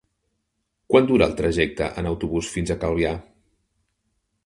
Quant dura el trajecte en autobús fins a Calvià?